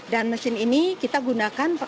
dan mesin ini kita gunakan untuk menghasilkan penyakit